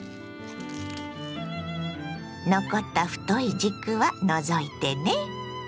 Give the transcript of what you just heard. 残った太い軸は除いてね。